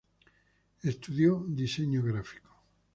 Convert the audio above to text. Estudió Diseño Gráfico.